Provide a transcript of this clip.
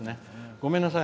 ごめんなさい。